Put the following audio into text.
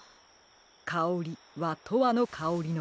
「かおり」は「とわのかおり」のこと。